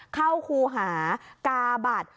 เข้าครูหากาบัตร